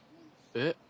えっ？